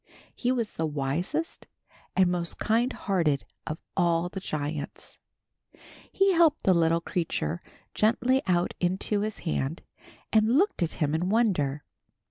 He was the wisest and most kind hearted of all the giants. He helped the little creature gently out into his hand, and looked at him in wonder.